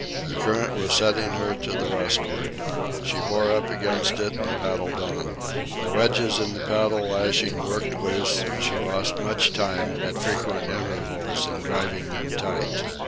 The current was setting her to the westward. She bore up against it and paddled on. The wedges in the paddle lashing worked loose, and she lost much time, at frequent intervals, in driving them tight.